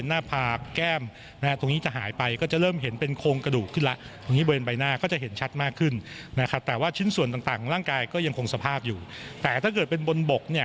ไว้หน้าภาพแก้มเลยตรงนี้จะหายไปก็จะเริ่มเห็นเป็นโครงกระดูกที่ปัญญานาขวัญให้หน้าขวัญบ่ายหน้าก็จะเห็นชัดมากขึ้นนะค่ะแต่ว่าชิ้นส่วนต่างร่างกายก็ยังคงสภาพอยู่แต่ถ้าเกิดเป็นบนโบ๊กเนี่ย